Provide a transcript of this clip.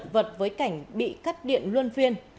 với cảnh bị cắt điện luân phiên